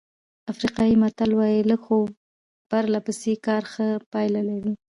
افریقایي متل وایي لږ خو پرله پسې کار ښه پایله لري.